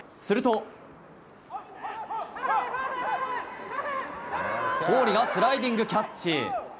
すると、郡がスライディングキャッチ！